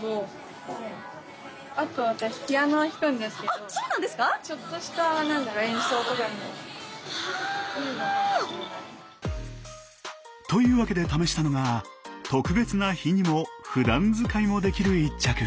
あっそうなんですか！というわけで試したのが特別な日にもふだん使いもできる一着。